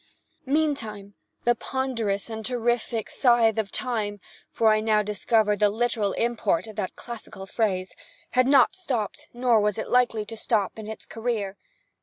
Meantime the ponderous and terrific Scythe of Time (for I now discovered the literal import of that classical phrase) had not stopped, nor was it likely to stop, in its career.